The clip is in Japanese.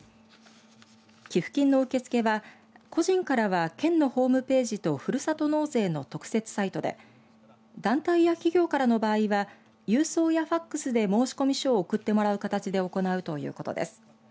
給付金の受け付けは個人からは県のホームページとふるさと納税の特設サイトで団体や企業からの場合は郵送やファックスで申込書を送ってもらう形で行うということです。